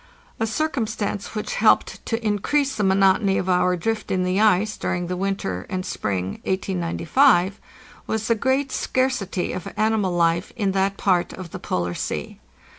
A circumstance which helped to increase the monotony of our drift in the ice during the winter and spring, 1895, was the great scarcity of animal life in that part of the Polar Sea.